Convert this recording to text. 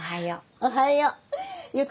おはよう順。